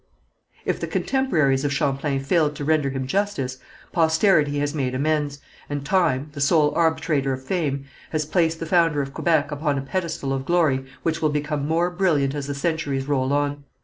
If the contemporaries of Champlain failed to render him justice, posterity has made amends, and Time, the sole arbitrator of fame, has placed the founder of Quebec upon a pedestal of glory which will become more brilliant as the centuries roll on.